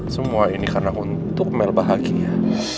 semua ini karena untuk mel bahagia